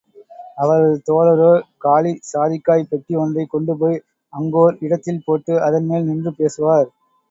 அவரது தோழரோ, காலி சாதிக்காய்ப் பெட்டி ஒன்றைக் கொண்டுபோய், அங்கோர் இடத்தில் போட்டு அதன்மேல் நின்று பேசுவார்.